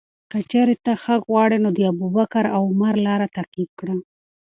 که چیرې ته حق غواړې، نو د ابوبکر او عمر لاره تعقیب کړه.